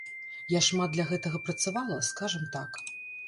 Я шмат для гэтага працавала, скажам так.